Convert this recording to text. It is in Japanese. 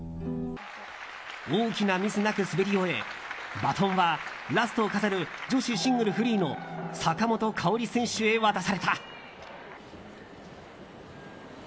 大きなミスなく滑り終えバトンはラストを飾る女子シングルフリーの坂本花織選手へ渡された。